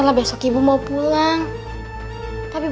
di bawah dimarahi